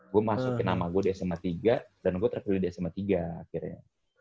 gue masukin nama gue di sma tiga dan gue terpilih di sma tiga akhirnya